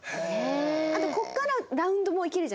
あとここからラウンドも行けるじゃないですか。